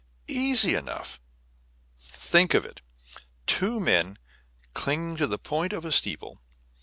"Easy enough!" Think of it! Two men clinging to the point of a steeple.